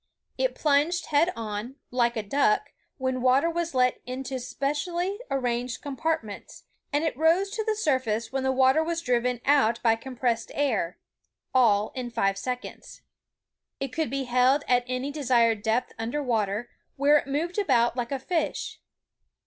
It plunged head on, like a duck, when water was let into specially arranged compartments, and it rose to the surface when the water was driven out by compressed air, — all in five seconds. It could be held at any desired depth under water, where it moved about like a fish.